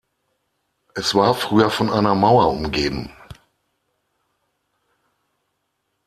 Es war früher von einer Mauer umgeben.